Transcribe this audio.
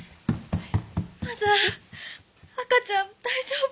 マザー赤ちゃん大丈夫？